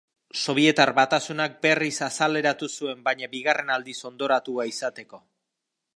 Sobietar Batasunak berriz azaleratu zuen baina bigarren aldiz hondoratua izateko.